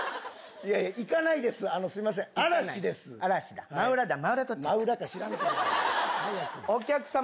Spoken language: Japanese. いやいや、行かないです、すみません。